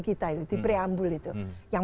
kita itu di priambul itu yang